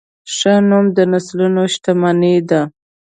ښه نوم د نسلونو شتمني ده.